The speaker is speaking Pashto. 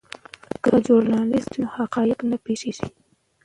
که ژورنالیست وي نو حقایق نه پټیږي.